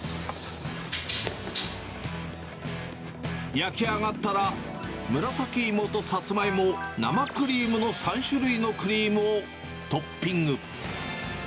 焼き上がったら、紫芋とさつまいも、生クリームの３種類のクリームをトッピング。